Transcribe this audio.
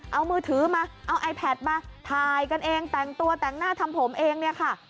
เอามือถือมาเอาไอแพทมาถ่ายกันเองแต่งตัวแต่งหน้าทำผมเองเนี่ยค่ะ